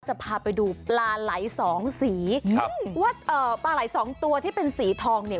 จะพาไปดูปลาไหล่สองสีครับว่าเอ่อปลาไหล่สองตัวที่เป็นสีทองเนี่ย